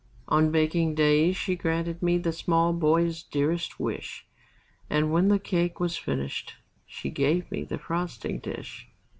On baking days she granted me The small boy's dearest wish, And when the cake was finished, she Gave me the frosting dish.